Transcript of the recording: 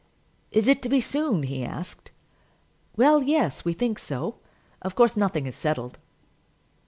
"Is it to be soon?" he asked. "Well, yes; we think so. Of course nothing is settled."